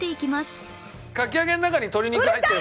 かき揚げの中に鶏肉入ってる。